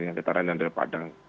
yang di taran dan padang